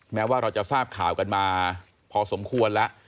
แม้ว่าเราจะทราบข่าวกันมาพอสมควรแล้ว